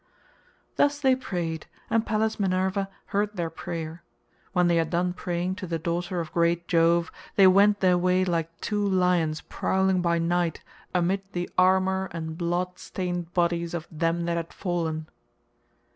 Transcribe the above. Thus they prayed, and Pallas Minerva heard their prayer. When they had done praying to the daughter of great Jove, they went their way like two lions prowling by night amid the armour and blood stained bodies of them that had fallen.